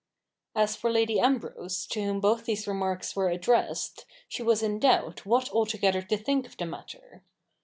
As for Lady Ambrose, to whom both these remarks were addressed, she was in doubt what altogether to think of the matter.